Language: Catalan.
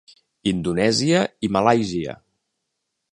Indonèsia i Malàisia.